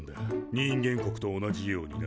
人間国と同じようにな。